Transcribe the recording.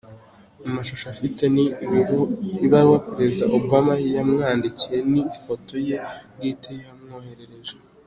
Amashusho afite ni ibaruwa Perezida Obama yamwandikiye n’ifoto ye bwite yamwoherereje.